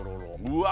うわ！